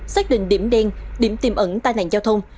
xác định điểm đen điểm tiềm ẩn tai nạn giao thông